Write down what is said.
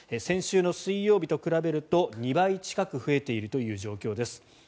先週の水曜日と比べると２倍近く増えているという状況です。